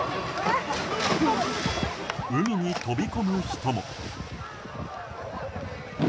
海に飛び込む人も。